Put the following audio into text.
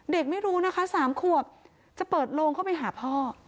ไม่รู้นะคะ๓ขวบจะเปิดโลงเข้าไปหาพ่อ